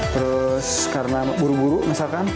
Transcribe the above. terus karena buru buru misalkan